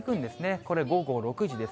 これ午後６時です。